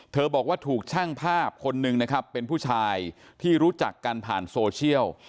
บอกว่าถูกช่างภาพคนหนึ่งนะครับเป็นผู้ชายที่รู้จักกันผ่านโซเชียล